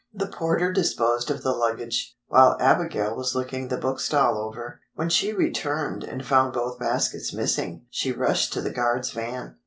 The porter disposed of the luggage—while Abigail was looking the bookstall over. When she returned and found both baskets missing, she rushed to the guard's van.